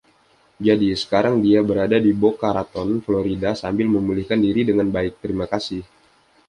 Jadi, sekarang dia berada di Boca Raton, Florida sambil memulihkan diri dengan baik, terima kasih.